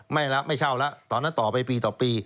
ไม่เช่าละตอนนั้นต่อไปปีต่อปี